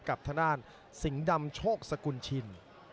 กับทะดาสิงดำโชคสกุลชิน